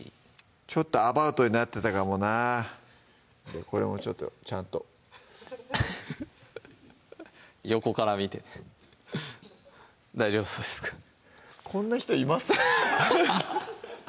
ちょっとアバウトになってたかもなこれもちょっとちゃんと横から見て大丈夫そうですかこんな人いますか？